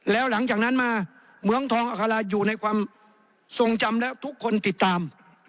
แล้วหลังจากนั้นมาเหมืองทองอัคราอยู่ในความทรงจำแล้วทุกคนติดตาม